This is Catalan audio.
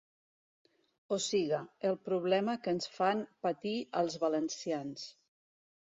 O siga, el problema que ens fan patir als valencians.